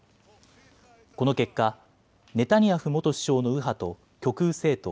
この結果、ネタニヤフ元首相の右派と極右政党